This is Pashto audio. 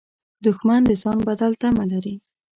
دښمن د ځان بدل تمه لري